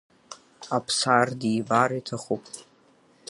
Аԥсар дибар иҭахуп.